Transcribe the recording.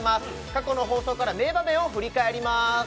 過去の放送から名場面を振り返ります